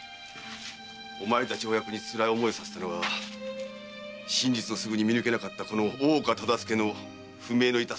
お前たち親子につらい思いをさせたのは真実をすぐに見抜けなかった大岡忠相の不明のいたすところ。